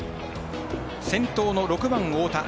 先頭の６番、太田。